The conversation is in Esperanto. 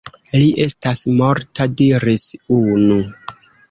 Li estas morta, diris unu.